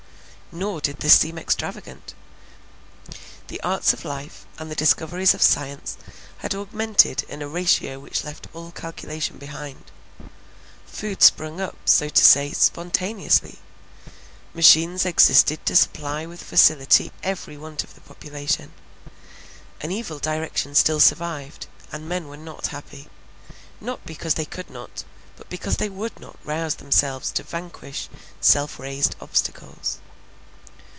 Nor did this seem extravagant. The arts of life, and the discoveries of science had augmented in a ratio which left all calculation behind; food sprung up, so to say, spontaneously—machines existed to supply with facility every want of the population. An evil direction still survived; and men were not happy, not because they could not, but because they would not rouse themselves to vanquish self raised obstacles.